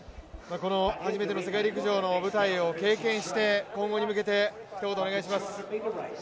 初めての世界陸上の舞台を経験して今後に向けてひと言お願いします。